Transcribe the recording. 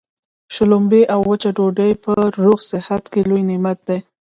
شلومبې او وچه ډوډۍ په روغ صحت کي لوی نعمت دی.